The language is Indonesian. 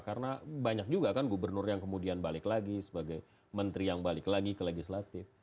karena banyak juga kan gubernur yang kemudian balik lagi sebagai menteri yang balik lagi ke legislatif